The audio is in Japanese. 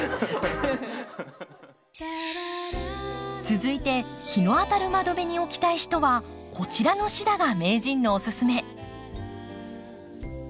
続いて日の当たる窓辺に置きたい人はこちらのシダが名人のおすすめ。